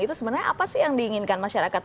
itu sebenarnya apa sih yang diinginkan masyarakat